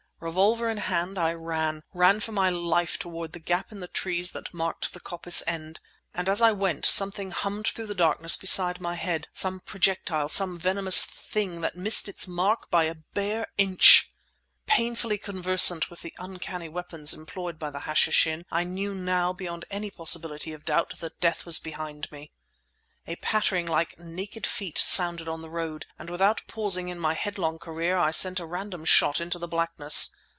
Revolver in hand I ran—ran for my life toward the gap in the trees that marked the coppice end. And as I went something hummed through the darkness beside my head, some projectile, some venomous thing that missed its mark by a bare inch! Painfully conversant with the uncanny weapons employed by the Hashishin, I knew now, beyond any possibility of doubt, that death was behind me. A pattering like naked feet sounded on the road, and, without pausing in my headlong career, I sent a random shot into the blackness.